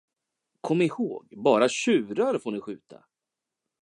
Kom ihåg, bara tjurar får ni skjuta!